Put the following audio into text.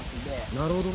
なるほどね。